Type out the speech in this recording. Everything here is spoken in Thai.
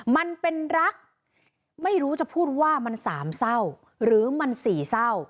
มันเป็นรักไม่รู้จะพูดว่ามันสามเศร้าหรือมันสี่เศร้า